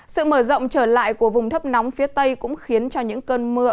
sự mở rộng trở lại của vùng thấp nóng phía tây cũng khiến cho những cơn mưa